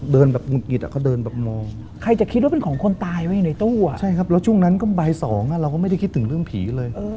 เหมือนจะไปลบลูเขาไปเอาของเขามาเลย